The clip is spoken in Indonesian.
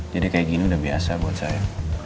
jadi kayak gini udah biasa buat saya